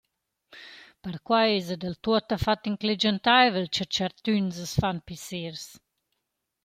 Perquai esa dal tuottafat inclegiantaivel, cha tschertüns as fan pissers.